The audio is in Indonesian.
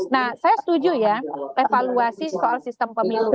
nah saya setuju ya evaluasi soal sistem pemilu